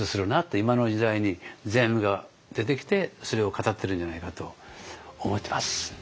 今の時代に世阿弥が出てきてそれを語ってるんじゃないかと思ってます。